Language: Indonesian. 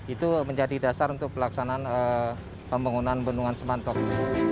itu menjadi dasar untuk pelaksanaan pembangunan bendungan semantau